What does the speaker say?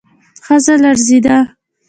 ښځه لړزېده.